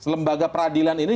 lembaga peradilan ini